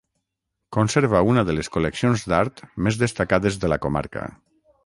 Conserva una de les col·leccions d'art més destacades de la comarca.